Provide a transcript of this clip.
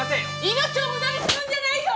命を無駄にするんじゃないよ！